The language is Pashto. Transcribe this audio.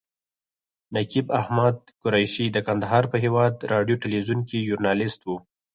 نقیب احمد قریشي د کندهار په هیواد راډیو تلویزیون کې ژورنالیست و.